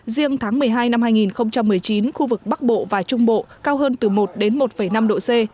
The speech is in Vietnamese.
riêng tháng một mươi hai năm hai nghìn một mươi chín khu vực bắc bộ và trung bộ cao hơn từ một đến một năm độ c